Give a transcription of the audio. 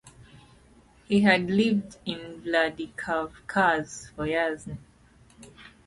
He had lived in Vladikavkaz for few years.